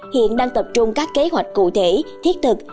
hiện đang tập trung các kế hoạch cụ thể thiết thực